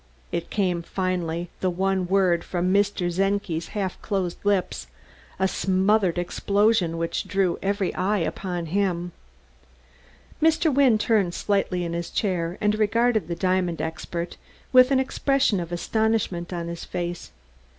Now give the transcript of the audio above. _" It came finally, the one word, from Mr. Czenki's half closed lips, a smothered explosion which drew every eye upon him. Mr. Wynne turned slightly in his chair and regarded the diamond expert with an expression of astonishment on his face.